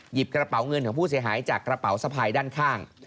กระเป๋าเงินของผู้เสียหายจากกระเป๋าสะพายด้านข้าง